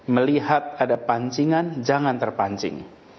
melihat ada pancingan jangan terpancing